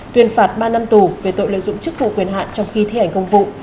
tuyên phạt ba năm tù về tội lợi dụng chức vụ quyền hạn trong khi thi hành công vụ